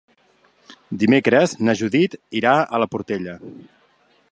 Dimecres na Judit irà a la Portella.